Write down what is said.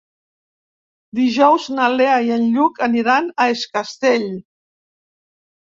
Dijous na Lea i en Lluc aniran a Es Castell.